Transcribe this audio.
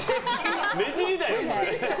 ねじりだよ、それ。